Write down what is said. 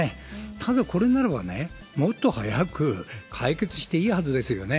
ただ、これならばもっと早く解決していいはずですよね。